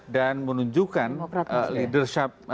dan menunjukkan leadership